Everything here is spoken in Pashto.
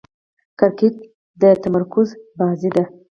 کرکټ د تمرکز بازي ده.